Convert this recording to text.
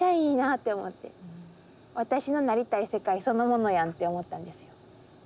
私のなりたい世界そのものやんって思ったんですよ。